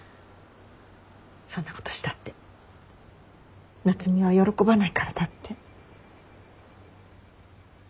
そんなことしたって夏海は喜ばないからだって。